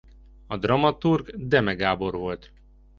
A dramaturg Deme Gábor volt.